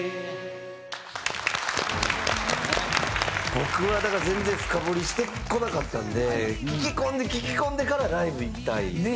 僕はだから全然深掘りしてこなかったんで聴き込んで聴き込んでからライブ行きたいですね。